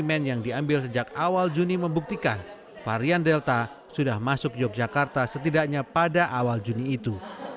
kemen yang diambil sejak awal juni membuktikan varian delta sudah masuk yogyakarta setidaknya pada awal juni itu